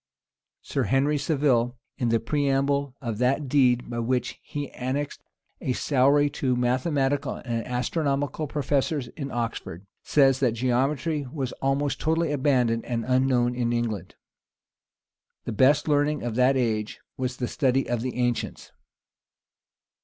Sir Henry Saville, in the preamble of that deed by which he annexed a salary to the mathematical and astronomical professors in Oxford, says, that geometry was almost totally abandoned and unknown in England.[*] The best learning of that age was the study of the ancients.